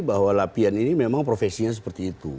bahwa latihan ini memang profesinya seperti itu